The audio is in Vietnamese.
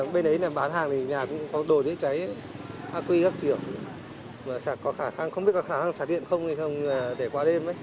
bên ấy bán hàng thì nhà cũng có đồ dễ cháy acui các kiểu không biết có khả năng xả điện không để qua đêm